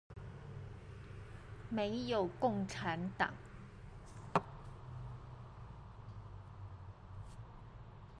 沒有共產黨